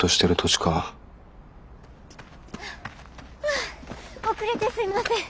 はあはあ遅れてすいません。